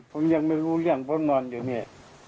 ผมยังไม่รู้เรื่องพ้นบอลอยู่นี่